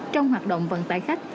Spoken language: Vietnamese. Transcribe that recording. trong hoạt động vận tải khách